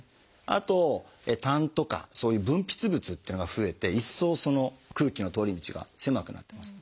あと痰とかそういう分泌物っていうのが増えて一層その空気の通り道が狭くなってます。